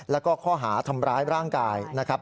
แล้วก็ข้อหาทำร้ายร่างกายนะครับ